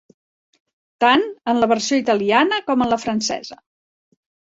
Tant en la versió italiana com en la francesa.